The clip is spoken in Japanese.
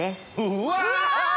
うわ！